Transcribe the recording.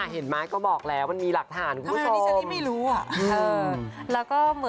เห็นไหมก็บอกแล้วมันมีหลักฐานคุณผู้ชม